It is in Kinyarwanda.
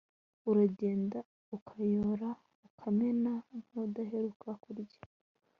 uragenda ukayora ukamera nkudaheruka kurya